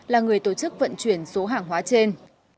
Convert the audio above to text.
là người tổ chức vận chuyển số hàng hóa trên